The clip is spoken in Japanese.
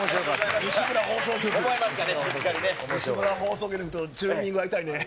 西村放送局と、チューニング合いたいね。